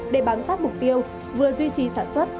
để bám sát mục tiêu vừa duy trì sản xuất